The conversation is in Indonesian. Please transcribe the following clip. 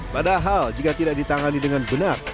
padahal jika tidak ditangani dengan benar